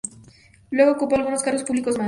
Luego ocupó algunos cargos públicos más.